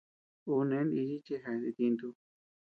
Ú neʼe nichi chi jeas itintu.